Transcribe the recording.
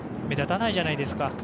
目立たないじゃないですか